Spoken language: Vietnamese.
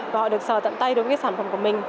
và họ được sờ tận tay đối với cái sản phẩm của mình